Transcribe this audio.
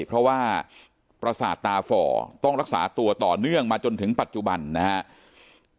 เพราะว่าประสาทตาฝ่อต้องรักษาตัวต่อเนื่องมาจนถึงปัจจุบันนะครับ